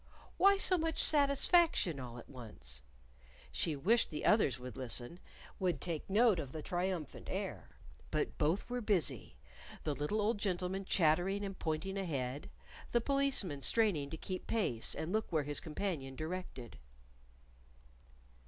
Why so much satisfaction all at once? She wished the others would listen; would take note of the triumphant air. But both were busy, the little old gentleman chattering and pointing ahead, the Policeman straining to keep pace and look where his companion directed.